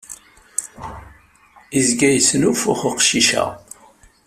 Izga yesnuffux uqcic-a.